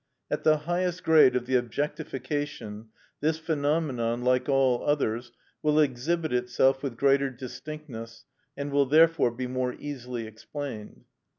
At the highest grade of the objectification, this phenomenon, like all others, will exhibit itself with greater distinctness, and will therefore be more easily explained.